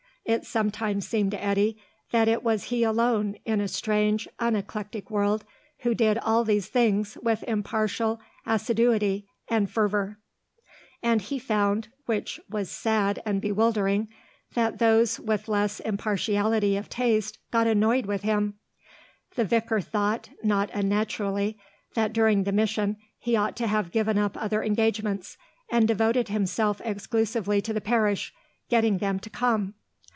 It sometimes seemed to Eddy that it was he alone, in a strange, uneclectic world, who did all these things with impartial assiduity and fervour. And he found, which was sad and bewildering, that those with less impartiality of taste got annoyed with him. The vicar thought, not unnaturally, that during the mission he ought to have given up other engagements, and devoted himself exclusively to the parish, getting them to come.